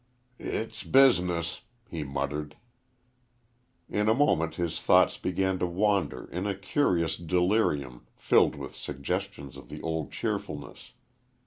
"It's Business," he muttered. In a moment his thoughts began to wander in a curious delirium filled with suggestions of the old cheerfulness.